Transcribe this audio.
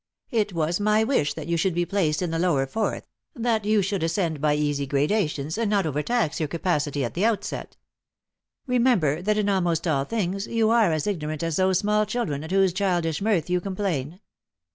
"It was my wish that you should be placed in the lower fourth, that you should ascend by easy gradations, and not overtax your capacity at the outset. Eemember that in almost all things you are as ignorant as those small children at whose childish mirth you complain.